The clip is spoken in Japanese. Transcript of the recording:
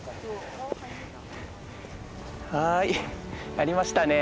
はいやりましたね。